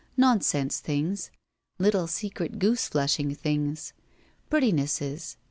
Nonsense things. Little secret goosefleshing things. Prettinesses.